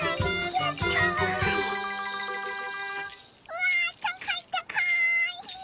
うわたかいたかい！